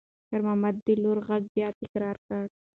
خیر محمد د لور غږ بیا تکرار کړ.